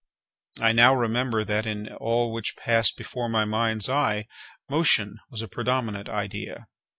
I now remember that, in all which passed before my mind's eye, motion was a predominant idea.